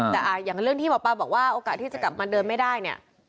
แต่อย่างเรื่องที่หมอปลาบอกว่าโอกาสที่จะกลับมาเดินไม่ได้เนี่ย